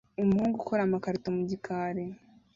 Umuhungu ukora amakarito mu gikari